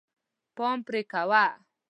پام پرې کوه.